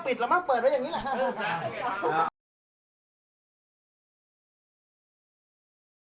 สวัสดีครับ